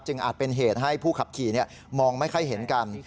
อาจเป็นเหตุให้ผู้ขับขี่มองไม่ค่อยเห็นกัน